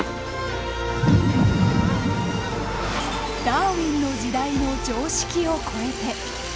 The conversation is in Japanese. ダーウィンの時代の常識を超えて。